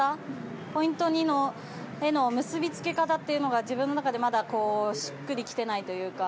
ポイントへの結び付け方というのが自分の中でまだしっくり来てないというか。